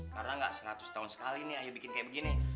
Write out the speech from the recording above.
karena gak seratus tahun sekali nih ayo bikin kayak begini